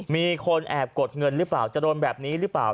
มีคนแอบกดเงินหรือเปล่าจะโดนแบบนี้หรือเปล่า